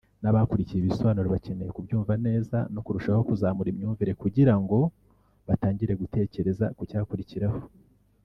n’ abakurikiye ibi bisobanuro bakeneye kubyumva neza no kurushaho kuzamura imyumvire kugira ngo batangire gutekereza ku cyakurikiraho